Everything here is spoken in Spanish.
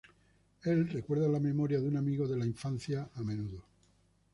Él recuerda la memoria de un amigo de la infancia a menudo.